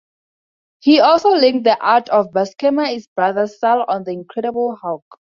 He also inked the art of Buscema's brother Sal on "The Incredible Hulk".